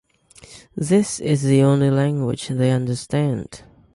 This is the only language they understand.